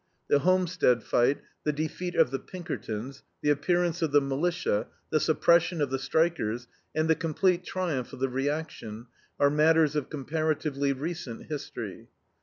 The Homestead fight, the defeat of the Pinkertons, the appearance of the militia, the suppression of the strikers, and the complete triumph of the reaction are matters of comparatively recent history.